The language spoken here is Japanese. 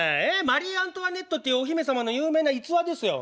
マリー・アントワネットっていうお姫様の有名な逸話ですよ。